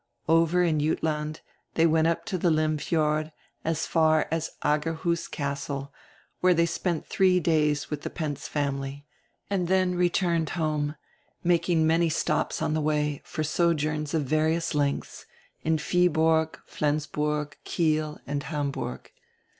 Over in Jutland they went up the Lym Fiord as far as Aggerhuus Castle, where they spent three days with the Penz family, and then returned home, making many stops on the way, for sojourns of various lengths, in Viborg, Flensburg, Kiel, and Hamburg.